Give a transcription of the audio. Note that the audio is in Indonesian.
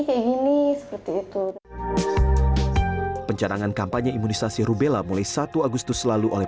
kayak gini seperti itu pencanangan kampanye imunisasi rubella mulai satu agustus lalu oleh